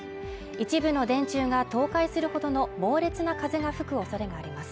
一部の電柱が倒壊するほどの猛烈な風が吹くおそれがあります